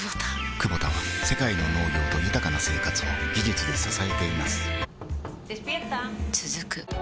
クボタは世界の農業と豊かな生活を技術で支えています起きて。